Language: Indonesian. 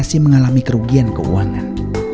ini indikasi mengalami kerugian keuangan